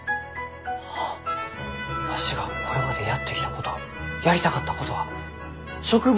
あわしがこれまでやってきたことやりたかったことは植物